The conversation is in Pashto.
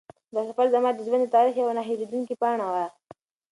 دا سفر زما د ژوند د تاریخ یوه نه هېرېدونکې پاڼه وه.